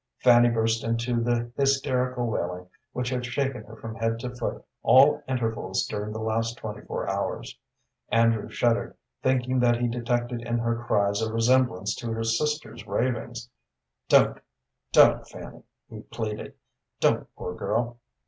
Fanny burst into the hysterical wailing which had shaken her from head to foot at intervals during the last twenty four hours. Andrew shuddered, thinking that he detected in her cries a resemblance to her sister's ravings. "Don't, don't, Fanny," he pleaded. "Don't, poor girl."